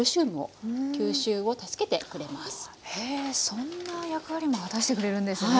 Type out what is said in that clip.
そんな役割も果たしてくれるんですね。